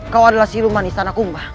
kau adalah siluman istana kumbah